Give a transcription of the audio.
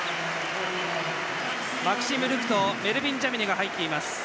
マキシム・ルクとメルビン・ジャミネが入っています。